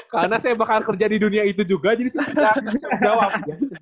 karena saya bakal kerja di dunia itu juga jadi saya tidak bisa menjawab